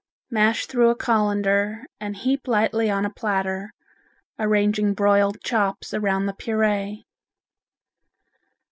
Mash through a colander and heap lightly on a platter, arranging broiled chops around the puree.